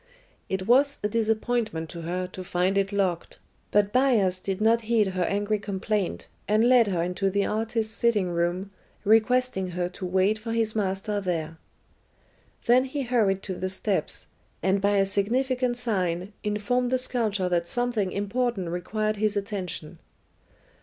It was a disappointment to her to find it locked, but Bias did not heed her angry complaint, and led her into the artist's sitting room, requesting her to wait for his master there. Then he hurried to the steps, and by a significant sign informed the sculptor that something important required his attention.